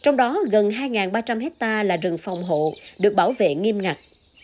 trong đó gần hai ba trăm linh hectare là rừng phòng hộ được bảo vệ nghiêm ngặt